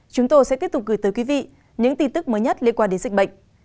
chúng tôi sẽ tiếp tục gửi tới quý vị những tin tức mới nhất liên quan đến dịch bệnh